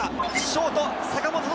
ショート坂本。